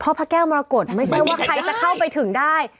พระแก้วมรกฏไม่ใช่ว่าใครจะเข้าไปถึงได้